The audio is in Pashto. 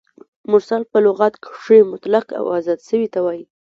مرسل په لغت کښي مطلق او آزاد سوي ته وايي.